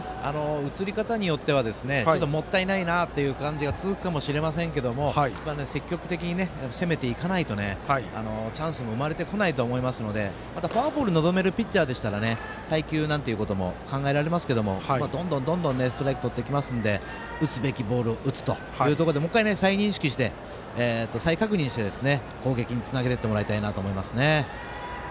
映り方によってはもったいないなということが続くかもしれませんが積極的に攻めていかないとチャンスも生まれてこないと思いますのでフォアボールを臨めるピッチャーでしたら配球なんてことも考えられますがどんどんストライクとっていきますので打つべきボールを打つということで、もう１回再確認して攻撃につなげていってほしいですね。